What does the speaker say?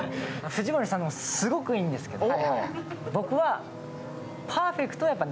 藤森さんの、すごくいいんですけど。